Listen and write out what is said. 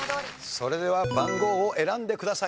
それでは番号を選んでください。